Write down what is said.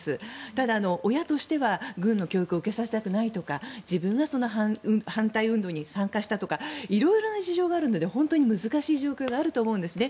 ただ、親としては軍の教育を受けさせたくないとか自分が反対運動に参加したとか色々な事情があるので本当に難しい状況があると思うんですね。